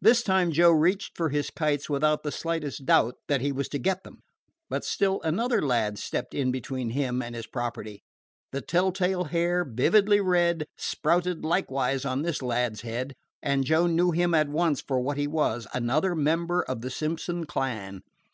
This time Joe reached for his kites without the slightest doubt that he was to get them. But still another lad stepped in between him and his property. The telltale hair, vividly red, sprouted likewise on this lad's head, and Joe knew him at once for what he was, another member of the Simpson clan.